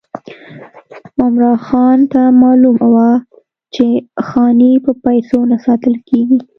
عمرا خان ته معلومه وه چې خاني په پیسو نه ساتل کېږي.